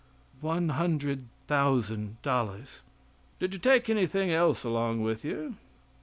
"One hundred thousand dollars." "Did you take anything else along with you?"